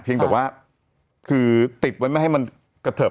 เพียงแต่ว่าคือติดไว้ไม่ให้มันกระเถิบ